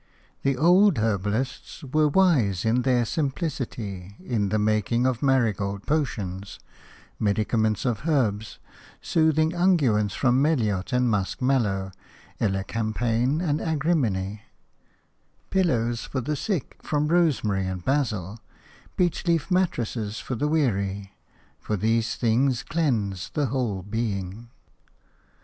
The old herbalists were wise in their simplicity in the making of marigold potions, medicaments of herbs, soothing unguents from melilot and musk mallow, elecampane and agrimony, pillows for the sick from rosemary and basil, beech leaf mattresses for the weary – for these things cleanse the whole being.